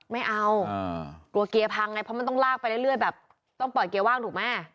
ไม่เอากลัวเกียร์พังไงเพราะมันต้องลากไปเรื่อยแบบต้องปล่อยเกียร์ว่างถูกแม่